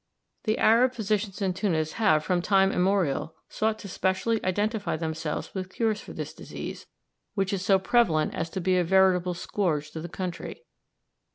The Arab physicians in Tunis have from time immemorial sought to specially identify themselves with cures for this disease, which is so prevalent as to be a veritable scourge to the country.